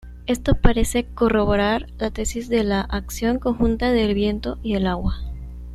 Esto parece corroborar la tesis de la acción conjunta del viento y el agua.